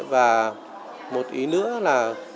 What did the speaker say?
và một ý nữa là